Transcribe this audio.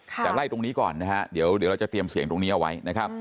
แต่ไล่ตรงนี้ก่อนนะฮะเดี๋ยวเราจะเตรียมเสียงตรงนี้เอาไว้นะครับ